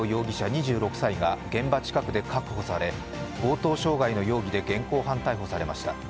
２６歳が現場近くで確保され強盗傷害の容疑で現行犯逮捕されました。